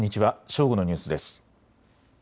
正午のニュースです。